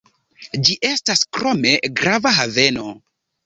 Ĝi estas krome grava haveno.